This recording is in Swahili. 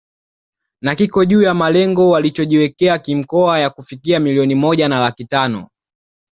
Na kiko juu ya malengo walichojiwekea kimkoa ya kufikia milioni moja na laki tano